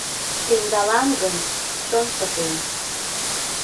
Öндалам гын – чон пытен.